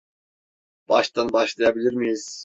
Baştan başlayabilir miyiz?